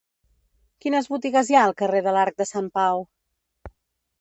Quines botigues hi ha al carrer de l'Arc de Sant Pau?